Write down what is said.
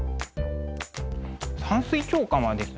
「山水長巻」はですね